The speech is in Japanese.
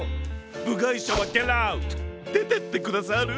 ぶがいしゃはゲットアウト！でてってくださる？